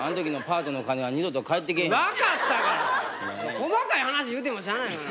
細かい話言うてもしゃあないがな。